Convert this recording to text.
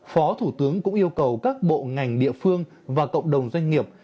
phó thủ tướng cũng yêu cầu các bộ ngành địa phương và cộng đồng doanh nghiệp